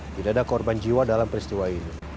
tidak ada korban jiwa dalam peristiwa ini